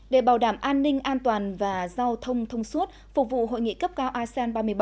để bảo đảm an ninh an toàn và giao thông thông suốt phục vụ hội nghị cấp cao asean ba mươi bảy